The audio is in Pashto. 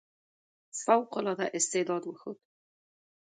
فوق العاده استعداد وښود.